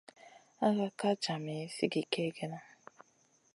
Hakak ka djami sigi kegena.